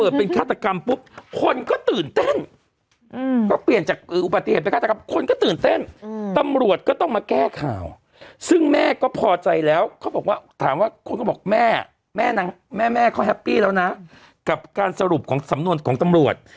บอกแม่แม่นางแม่แม่เขาแฮปปี้แล้วนะกับการสรุปของสำนวนของตำรวจ